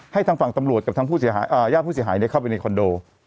ทางฝั่งตำรวจกับทางผู้เสียหายญาติผู้เสียหายเข้าไปในคอนโด